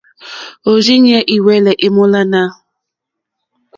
Òrzìɲɛ́ î hwɛ́lɛ́ èmólánà.